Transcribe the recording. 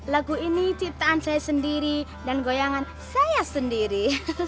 lagu ini ciptaan saya sendiri dan goyangan saya sendiri